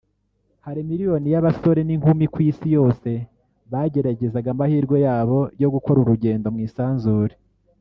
hari miliyoni y’abasore n’inkumi ku Isi yose bageragezaga amahirwe yabo yo gukora urugendo mu isanzure